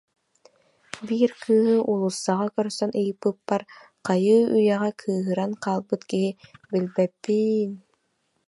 Биир кыыһы уулуссаҕа көрсөн ыйыппыппар, хайыы-үйэҕэ кыыһыран хаалбыт киһи: «Билбээпп-иин